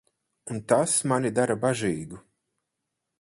Un tas mani dara bažīgu.